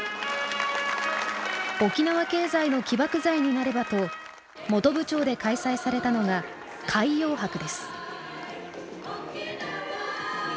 沖縄経済の起爆剤になればと本部町で開催されたのが海洋博です。